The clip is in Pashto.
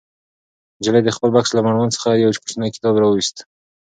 نجلۍ د خپل بکس له مړوند څخه یو کوچنی کتاب راوویست.